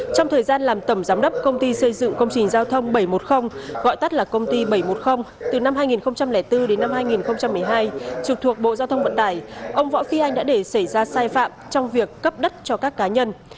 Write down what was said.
trong thời gian làm tổng giám đốc công ty xây dựng công trình giao thông bảy trăm một mươi gọi tắt là công ty bảy trăm một mươi từ năm hai nghìn bốn đến năm hai nghìn một mươi hai trực thuộc bộ giao thông vận tải ông võ phi anh đã để xảy ra sai phạm trong việc cấp đất cho các cá nhân